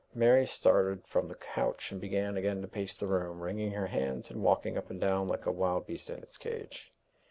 Mary started from the couch, and began again to pace the room, wringing her hands, and walking up and down like a wild beast in its cage.